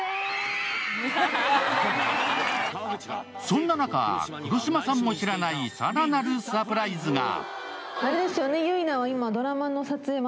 そんな中、黒島さんも知らない更なるサプライズが。